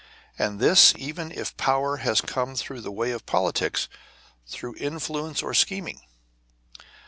And this even if power has come through the way of politics, through influence or scheming.